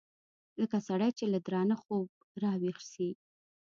لکه سړى چې له درانه خوبه راويښ سي.